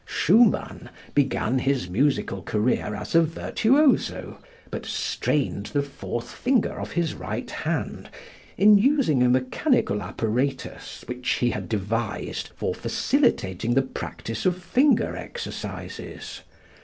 Schumann began his musical career as a virtuoso, but strained the fourth finger of his right hand in using a mechanical apparatus which he had devised for facilitating the practice of finger exercises.